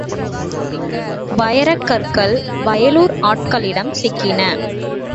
வைரக் கற்கள் வயலூர் ஆட்களிடம் சிக்கின.